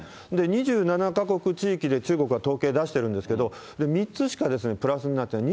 ２７か国・地域で中国は統計出してるんですけど、３つしかプラスになってない。